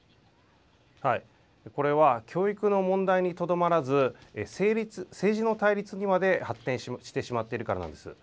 これは教育の問題にとどまらず政治の対立にまで発展してしまっているからなんです。